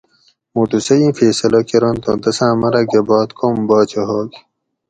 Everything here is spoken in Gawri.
موٹو سہ ایں فیصلہ کرۤنت اُوں تساۤں مرگہ بعد کوم باچہ ہوگ